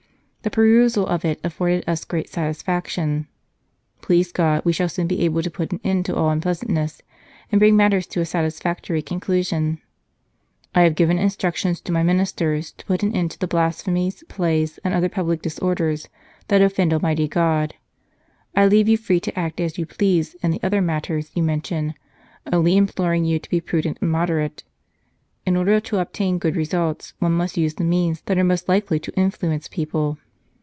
The perusal of it afforded us great satisfaction. Please God we shall soon be able to put an end to all unpleasantness, and bring matters to a satisfactory conclusion. I have given instructions to my Ministers to put an end to the blasphemies, plays, and other public disorders, that offend Almighty God. I leave you free to act as you please in the other matters you mention, only imploring you to be prudent and moderate ; in order to obtain good results, one must use the means that are most likely to influence people.